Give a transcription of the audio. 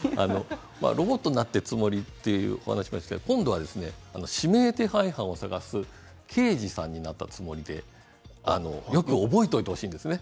ロボットになったつもりと言っていましたが今度は指名手配犯を探す刑事さんになったつもりでよく覚えておいてほしいんですね